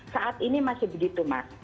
saat ini masih begitu mas